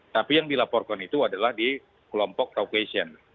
tapi yang dilaporkan itu adalah di kelompok raucation